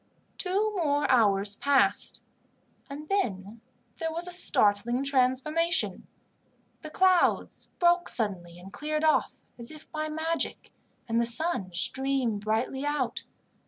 Two more hours passed, and then there was a startling transformation. The clouds broke suddenly and cleared off, as if by magic, and the sun streamed brightly out.